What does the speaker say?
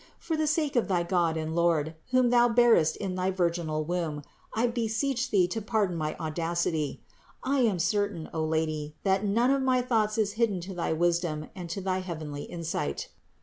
For the sake of thy God and Lord, whom Thou bearest in thy virginal womb, I beseech Thee to pardon my audacity. I am certain, O Lady, that none of my thoughts is hidden to thy wisdom and to thy heavenly insight.